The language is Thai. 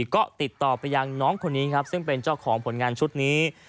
ก็ติดต่อไปยังน้องคนนี้ครับซึ่งเป็นเจ้าของผลงานชุดนี้